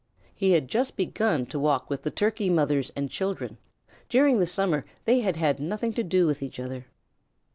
He had just begun to walk with the Turkey mothers and children. During the summer they had had nothing to do with each other.